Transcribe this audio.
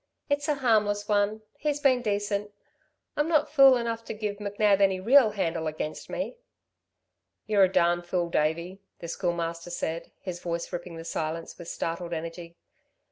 "It's a harmless one. He's been decent. I'm not fool enough to give McNab any real handle against me." "You're a darned fool, Davey," the Schoolmaster said, his voice ripping the silence with startled energy.